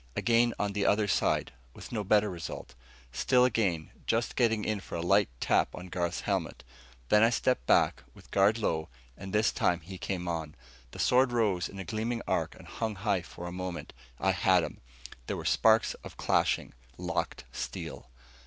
Again on the other side, with no better result. Still again, just getting in for a light tap on Garth's helmet. Then I stepped back, with guard low, and this time he came on. His sword rose in a gleaming arc and hung high for a moment. I had him. There were sparks of clashing, locked steel.